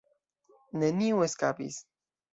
Neniu eskapis.